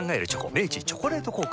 明治「チョコレート効果」